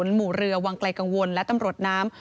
หมู่เรือวังไกลกังวลและตำรวจน้ำ